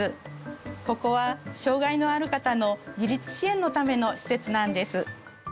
ここは障害のある方の自立支援のための施設なんです。